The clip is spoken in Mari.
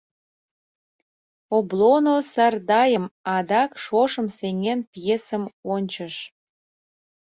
Облоно «Сардайым», адак «Шошым сеҥен» пьесым ончыш.